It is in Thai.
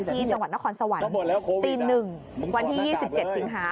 ที่จังหวัดนครสวรรค์ตี๑วันที่๒๗สิงหา